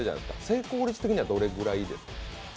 成功率的にはどれぐらいですか？